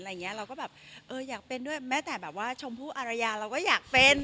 เราก็อยากเป็นด้วยแม้แต่ชมพูอารยาเราก็อยากเป็น